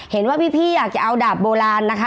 เห็นว่าพี่อยากจะเอาดาบโบราณนะคะ